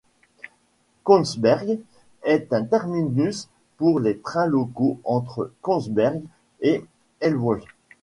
Kongsberg est un terminus pour les trains locaux entre Kongsberg et Eidsvoll.